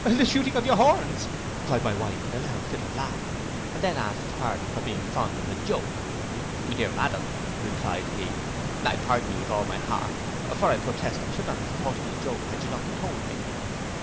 '—'The shooting of your horns,' cried my wife, in a loud fit of laughter, and then asked pardon for being fond of a joke.—'Dear madam,' replied he, 'I pardon you with all my heart; for I protest I should not have thought it a joke had you not told me.